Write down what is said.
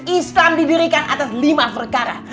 islam didirikan atas lima perkara